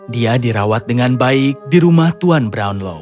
dia dirawat dengan baik di rumah tuan brownlow